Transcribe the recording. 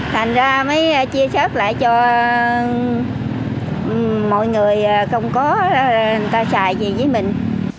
thành ra mới chia xếp lại cho mọi người không có người ta xài gì với mình